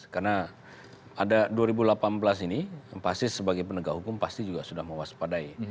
karena ada dua ribu delapan belas ini pasti sebagai penegak hukum pasti juga sudah mewaspadai